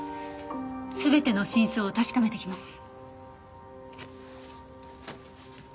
全ての真相を確かめてきます。